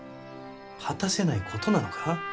果たせないことなのか？